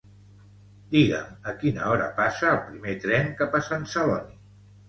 Digue'm a quina hora passa el primer tren cap a Sant Celoni